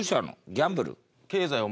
ギャンブル？